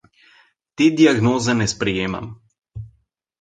Te diagnoze ne sprejemam.